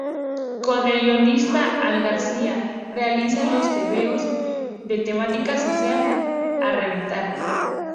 Con el guionista Al García, realiza los tebeos de temática social "A reventar!